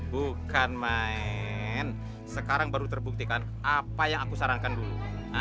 bukan main sekarang baru terbuktikan apa yang aku sarankan dulu